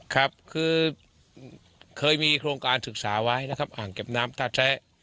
ครับคือเคยมีโครงการศึกษาไว้นะครับอ่างเก็บน้ำตาแซะ